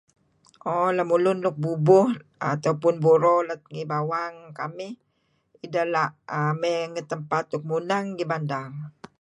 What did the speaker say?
Ooh lemulun luk bubuh atau pun buro let ngi bawang kamih ideh la' err mey ngi tempat luk muneng ngi bandar.